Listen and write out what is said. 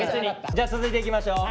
じゃあ続いていきましょう。